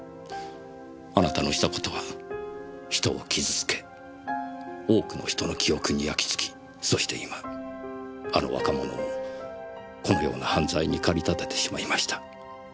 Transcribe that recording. あなたのした事は人を傷つけ多くの人の記憶に焼き付きそして今あの若者をこのような犯罪に駆り立ててしまいました。